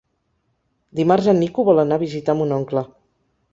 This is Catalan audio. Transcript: Dimarts en Nico vol anar a visitar mon oncle.